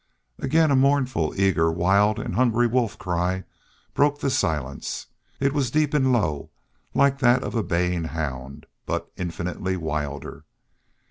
Again a mournful, eager, wild, and hungry wolf cry broke the silence. It was deep and low, like that of a baying hound, but infinitely wilder.